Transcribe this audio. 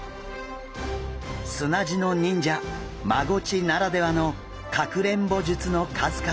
砂地の忍者マゴチならではのかくれんぼ術の数々！